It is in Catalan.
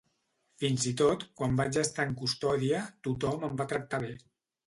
Fins i tot quan vaig estar en custòdia, tothom em va tractar bé.